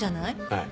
はい。